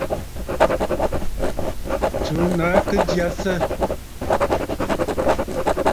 Tsùù nàa kɨ jasə.